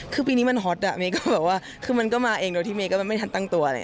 คือปีนี้มันฮอตคือมันก็มาเองโดยที่ไม่ทันตั้งตัว